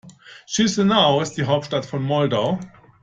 Chișinău ist die Hauptstadt von Moldau.